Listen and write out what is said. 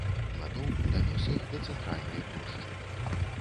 Натоўп данёс іх да цэнтральнай плошчы.